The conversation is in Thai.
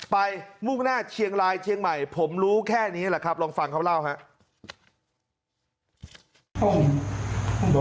มุ่งหน้าเชียงรายเชียงใหม่ผมรู้แค่นี้แหละครับลองฟังเขาเล่าครับ